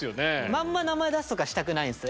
まんま名前出すとかしたくないんすよ。